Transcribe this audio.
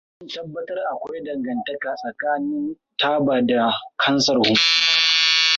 An tabbatar da akwai dangantaka tsakanin taba da kansar huhu?